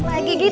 lagi gitu ya